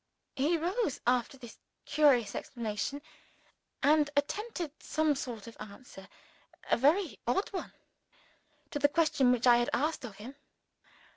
He rose, after this curious explanation, and attempted some sort of answer a very odd one to the question which I had asked of him.